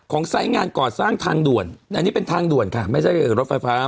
ไซส์งานก่อสร้างทางด่วนอันนี้เป็นทางด่วนค่ะไม่ใช่รถไฟฟ้า